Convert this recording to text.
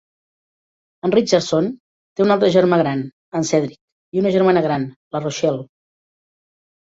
En Richardson té un altre germà gran, en Cedric i una germana gran, la Rochelle.